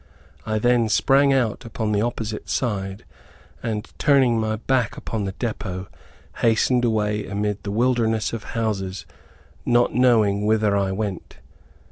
I then sprang out upon the opposite side, and, turning my back upon the depot, hastened away amid the wilderness of houses, not knowing whither I went.